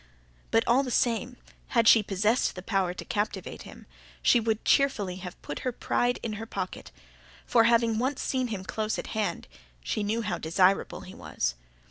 But, all the same, had she possessed the power to captivate him, she would cheerfully have put her pride in her pocket. For, having once seen him close at hand, she knew how desirable he was.